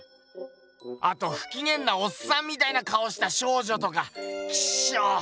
あとふきげんなおっさんみたいな顔をした少女とかキショ！